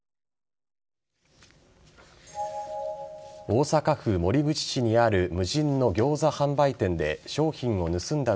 大阪府守口市にある無人のギョーザ販売店で商品を盗んだ